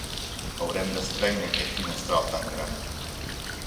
Haurem d'estrènyer aquest finestral tan gran.